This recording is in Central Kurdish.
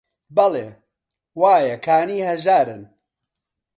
بەڵێ: وایە کانی هەژارن